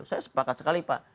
saya sepakat sekali pak